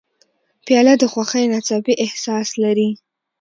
پیاله د خوښۍ ناڅاپي احساس لري.